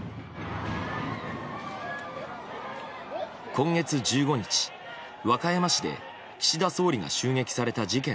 今月１５日、和歌山市で岸田総理が襲撃された事件